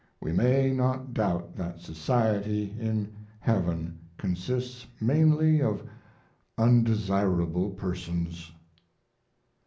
We may not doubt that society in heaven consists mainly of undesirable persons.